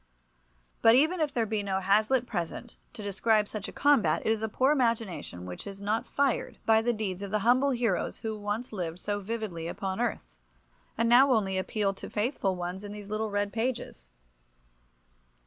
But even if there be no Hazlitt present to describe such a combat it is a poor imagination which is not fired by the deeds of the humble heroes who lived once so vividly upon earth, and now only appeal to faithful ones in these little read pages.